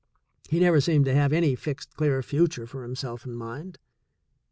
He never seemed to have any fixed clear future for himself in mind.